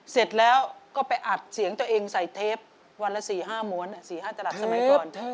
เสร็จแล้วก็ไปอัดเสียงตัวเองใส่เทปวันละ๔๕ม้วน๔๕ตลับสมัยก่อน